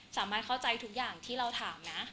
จำบรรยายเข้าใจทุกอย่างที่เราถามนะ